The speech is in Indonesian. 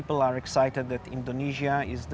orang orang teruja bahwa indonesia adalah